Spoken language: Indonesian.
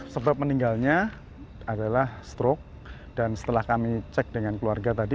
sebab meninggalnya adalah stroke dan setelah kami cek dengan keluarga tadi